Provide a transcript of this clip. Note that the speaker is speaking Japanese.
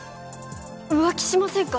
浮気しませんか？